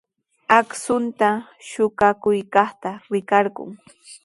Akshunta suqakuykaqta rikarqun.